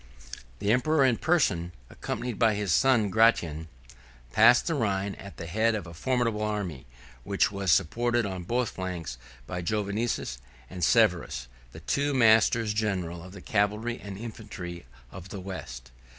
The emperor in person, accompanied by his son Gratian, passed the Rhine at the head of a formidable army, which was supported on both flanks by Jovinus and Severus, the two masters general of the cavalry and infantry of the West.